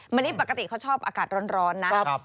มะลิปกติเขาชอบอากาศร้อนนะ